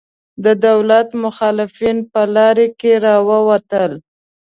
د دولت مخالفین په لاره کې راوتل.